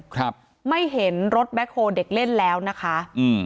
ครับไม่เห็นรถแบ็คโฮเด็กเล่นแล้วนะคะอืม